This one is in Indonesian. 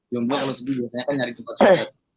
jumblo kalau sedih biasanya kan nyari tempat sholat